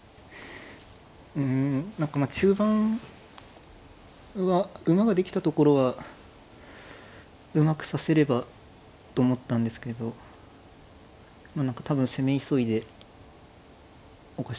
うん何かまあ中盤は馬ができたところはうまく指せればと思ったんですけどまあ何か多分攻め急いでおかしくなってしまった。